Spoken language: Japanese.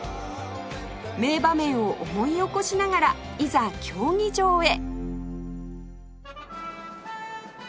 名場面を思い起こしながらいざ競技場へ